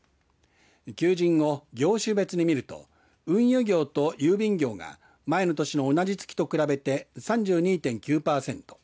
求人を業種別に見ると運輸業と郵便業が前の年の同じ時期と比べて３２．９パーセント。